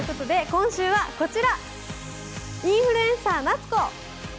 今週はこちら、インフルエンサー夏子。